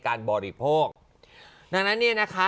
อ่าละค่ะ